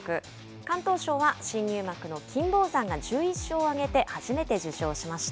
敢闘賞は新入幕の金峰山が１１勝を挙げて初めて受賞しました。